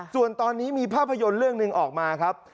ส่วนตอนนี้มีภาพยนตร์เรื่องหนึ่งออกมาครับ